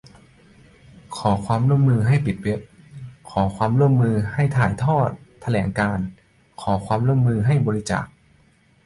ขอความร่วมมือให้ปิดเว็บ ขอความร่วมมือให้ถ่ายทอดแถลงการณ์ ขอความร่วมมือให้บริจาค